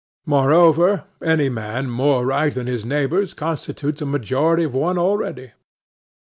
Moreover, any man more right than his neighbors constitutes a majority of one already.